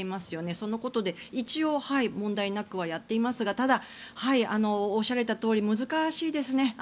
そのことで一応問題なくやっていますがおっしゃられたとおり難しいですね。